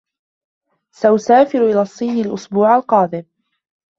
سأسافر إلى الصين الأسبوع القادم.